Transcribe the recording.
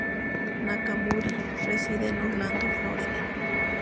Nakamura reside en Orlando, Florida.